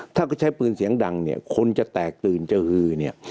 ถ้าเขาใช้ปืนเสียงดังเนี่ยคนจะแตกตื่นจะอือเนี่ย